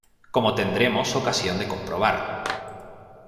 como tendremos ocasión de comprobar